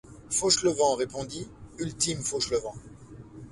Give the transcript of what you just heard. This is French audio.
Fauchelevent répondit: — Ultime Fauchelevent.